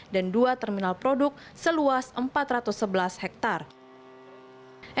dan dua terminal produk seluas empat ratus sebelas hektare